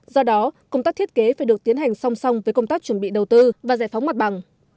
do đó công tác thiết kế phải được tiến hành song song với công tác chuẩn bị đầu tư và giải phóng mặt bằng